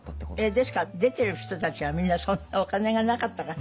ですから出てる人たちはみんなそんなお金がなかったから。